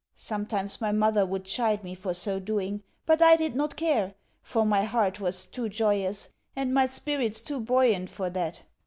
Sometimes my mother would chide me for so doing, but I did not care, for my heart was too joyous, and my spirits too buoyant, for that.